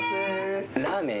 ラーメン？